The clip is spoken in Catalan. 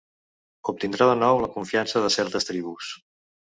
Obtindrà de nou la confiança de certes tribus.